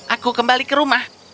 aku kembali ke rumah